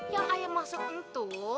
yang ayah maksud itu